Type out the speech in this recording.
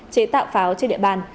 chế tạo pháo trên địa bàn